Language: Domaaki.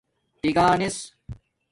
تگانس